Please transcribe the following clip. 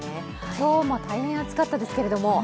今日も大変暑かったですけれども。